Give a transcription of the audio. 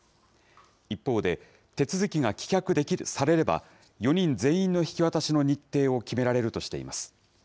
一方で、手続きが棄却されれば、４人全員の引き渡しの日程を決められるとしています。